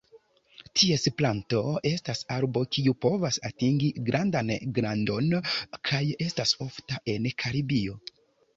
Ties planto estas arbo kiu povas atingi grandan grandon, kaj estas ofta en Karibio.